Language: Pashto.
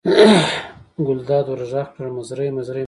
ګلداد ور غږ کړل: مزری مزری مه کېږه.